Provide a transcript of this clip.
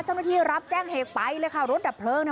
เจ้าหน้าที่รับแจ้งเหตุไปเลยค่ะรถดับเพลิงน่ะ